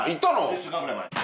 １週間ぐらい前に。